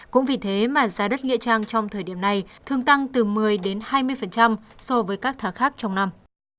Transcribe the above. cũng vì thế mà giá đất nghĩa trang trong thời điểm này thường tăng từ một mươi đến hai mươi so với các tháng khác trong năm